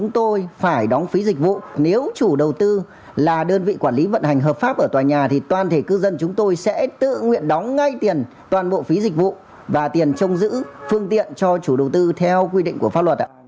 tòa nhà thì toàn thể cư dân chúng tôi sẽ tự nguyện đóng ngay tiền toàn bộ phí dịch vụ và tiền trông giữ phương tiện cho chủ đầu tư theo quy định của pháp luật